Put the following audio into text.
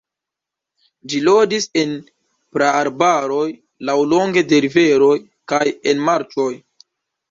Ĝi loĝis en praarbaroj laŭlonge de riveroj kaj en marĉoj.